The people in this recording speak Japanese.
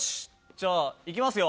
じゃあいきますよ。